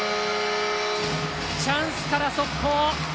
チャンスから速攻。